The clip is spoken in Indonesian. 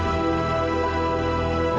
komisi aku harus ke belakang